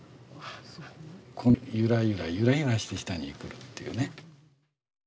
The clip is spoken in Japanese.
このゆらゆらゆらゆらして下にくるっていうね。